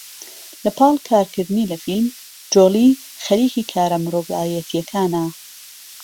لە پاڵ کارکردنی لەفیلم، جۆڵی خەریکی کارە مرۆڤایەتییەکانە